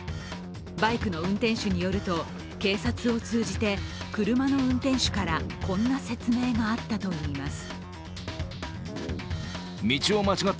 バイクの運転手によると、警察を通じて車の運転手から、こんな説明があったといいます。